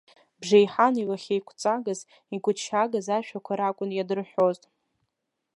Бжеиҳан илахьеиқәҵагаз, игәыҭшьаагаз ашәақәа ракәын иадырҳәоз.